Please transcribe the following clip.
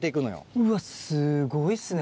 うわすごいっすね